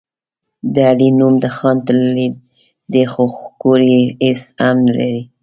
د علي نوم د خان تللی دی، خو کور کې هېڅ هم نه لري.